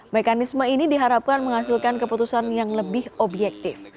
mekanisme ini diharapkan menghasilkan keputusan yang lebih objektif